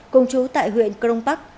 cùng chú tại huyện crong park